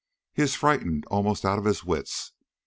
"He is frightened almost out of his wits.